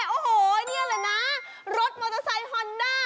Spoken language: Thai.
โอ้โหนี่แหละนะรถมอเตอร์ไซค์ฮอนด้า